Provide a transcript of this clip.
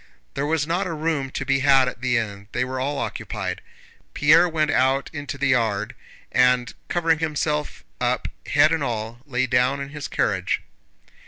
There was not a room to be had at the inn, they were all occupied. Pierre went out into the yard and, covering himself up head and all, lay down in his carriage.